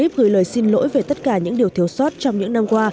ông javid gửi lời xin lỗi về tất cả những điều thiếu sót trong những năm qua